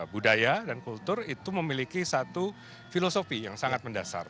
budaya dan kultur itu memiliki satu filosofi yang sangat mendasar